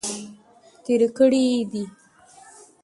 تیرې کړي دي.